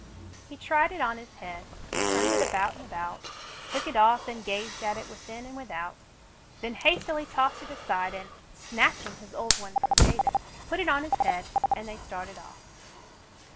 He tried it on his head, turned it about and about, took it off and gazed at it within and without, then hastily tossed it aside and, snatching his old one from David put it on his head, and they started off.